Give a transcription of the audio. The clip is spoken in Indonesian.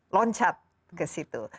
loncat ke situ